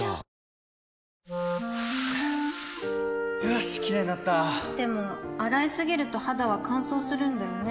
よしキレイになったでも、洗いすぎると肌は乾燥するんだよね